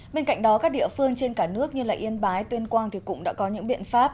bên cạnh đó các địa phương trên cả nước như yên bái tuyên quang cũng đã có những biện pháp